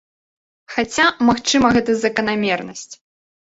Хаця, магчыма, гэта заканамернасць.